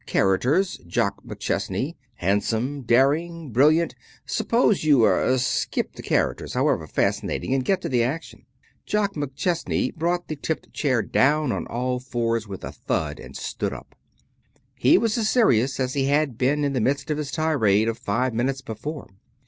Characters: Jock McChesney, handsome, daring, brilliant " "Suppose you er skip the characters, however fascinating, and get to the action." Jock McChesney brought the tipped chair down on all fours with a thud, and stood up. The grin was gone. He was as serious as he had been in the midst of his tirade of five minutes before.